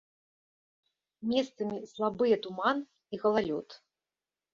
Месцамі слабыя туман і галалёд.